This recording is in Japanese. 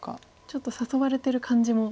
ちょっと誘われてる感じも。